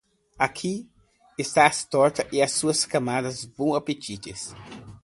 Aqui estão as tortas e a sua comanda, bom apetite.